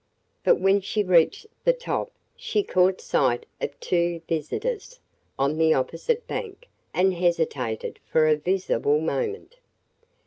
But when she reached the top she caught sight of the two visitors on the opposite bank and hesitated for a visible moment.